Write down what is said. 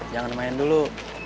jangan main dulu